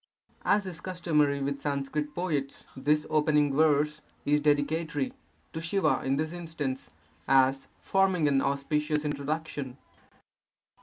As is customary with Sanskrit poets, this opening verse is dedicatory (to Siva in this instance), as forming an auspicious introduction.